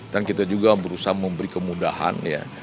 dan kita juga berusaha memberi kemudahan